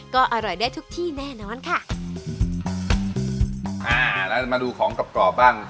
ก็อร่อยได้ทุกที่แน่นอนค่ะอ่าแล้วจะมาดูของกรอบกรอบบ้าง